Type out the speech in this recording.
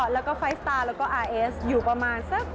แล้วก็ไฟล์สตาร์แล้วก็อาร์เอสอยู่ประมาณสัก